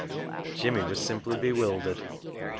Jimmy was simply bewildered.